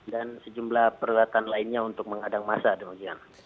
dan sejumlah peralatan lainnya untuk mengadang masa